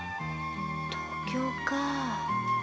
東京か。